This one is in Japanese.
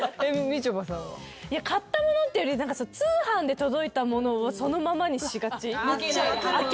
買ったものっていうより通販で届いたものをそのままにしがち開けないで。